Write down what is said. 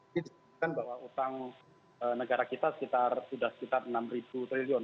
jadi disampaikan bahwa utang negara kita sudah sekitar enam triliun